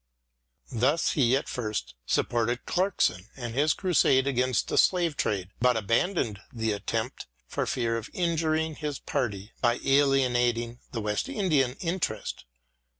Thus he at first supported Clarkson in his crusade against the slave trade, but abandoned the attempt for fear of injuring his party by alienating the West Indian interest.